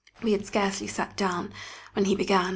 We had scarcely sat down, when he began.